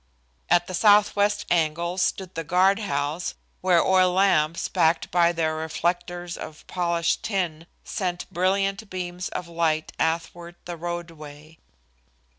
At the southwest angle stood the guard house, where oil lamps, backed by their reflectors of polished tin, sent brilliant beams of light athwart the roadway.